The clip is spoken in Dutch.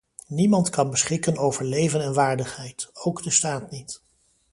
Niemand kan beschikken over leven en waardigheid, ook de staat niet.